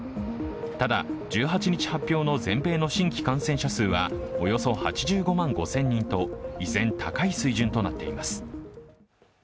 ただ、１８日発表の全米の新規感染者数はおよそ８５万５０００人と依然、高い水準となっています。